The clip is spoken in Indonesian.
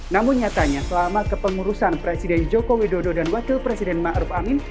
namun nyatanya selama kepengurusan presiden joko widodo dan wakil presiden ma'ruf amin